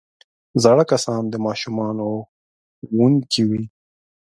زاړه کسان د ماشومانو ښوونکي وي